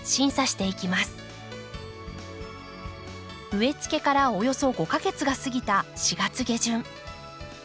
植え付けからおよそ５か月が過ぎた４月下旬。